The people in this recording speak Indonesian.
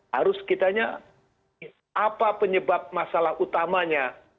harus kitanya apa penyebab masalah utamanya